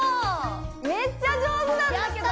めっちゃ上手なんだけど。